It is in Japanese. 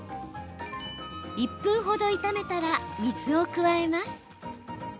１分ほど炒めたら水を加えます。